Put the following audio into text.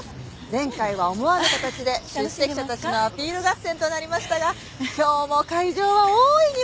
前回は思わぬ形で出席者たちのアピール合戦となりましたが今日も会場は大いに盛り上がっています！